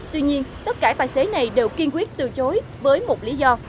tuy nhiên tất cả tài xế này đều kiên quyết từ chối với một lý do